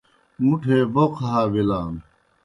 مُٹھے بَوْقہ ہا بِلان۔